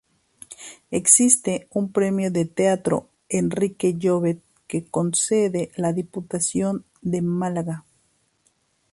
Existe un Premio de teatro Enrique Llovet que concede la Diputación de Málaga.